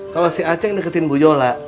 kalau si aceh deketin bu yola